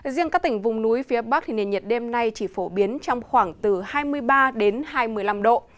riêng các tỉnh vùng núi phía bắc thì nền nhiệt đêm nay chỉ phổ biến trong khoảng từ hai mươi ba đến hai mươi năm độ